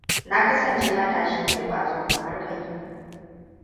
Na kasance matashi mai kwazo kamar kai.